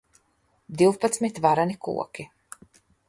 Divpadsmit vareni koki.